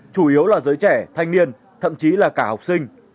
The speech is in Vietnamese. chủ yếu là giới trẻ thanh niên thậm chí là cả học sinh